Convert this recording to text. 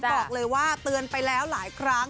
บอกเลยว่าเตือนไปแล้วหลายครั้ง